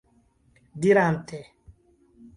dirante